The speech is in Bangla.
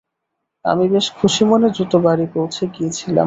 আমি বেশ খুশিমনে দ্রুত বাড়ি পৌছে গিয়েছিলাম।